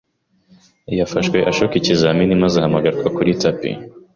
Yafashwe ashuka ikizamini maze ahamagarwa kuri tapi.